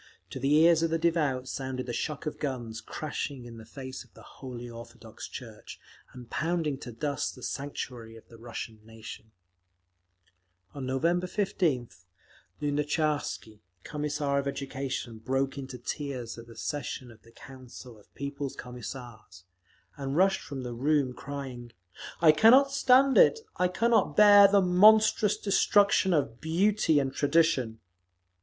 To the ears of the devout sounded the shock of guns crashing in the face of the Holy Orthodox Church, and pounding to dust the sanctuary of the Russian nation…. On November 15th, Lunatcharsky, Commissar of Education, broke into tears at the session of the Council of People's Commissars, and rushed from the room, crying, "I cannot stand it! I cannot bear the monstrous destruction of beauty and tradition…."